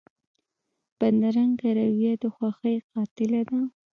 بدرنګه رویه د خوښۍ قاتله ده